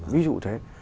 ví dụ thế